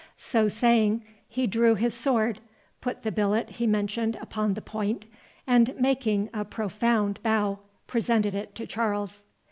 So saying, he drew his sword, put the billet he mentioned upon the point, and making a profound bow, presented it to Charles.